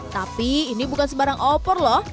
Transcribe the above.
tapi ini bukan sembarang opor loh